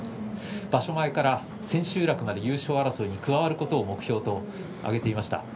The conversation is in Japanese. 場所前から千秋楽まで優勝争いに加わることを目標に挙げていました。